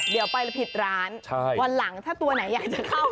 เดี๋ยวไปผิดร้านวันหลังถ้าตัวไหนอยากจะเข้า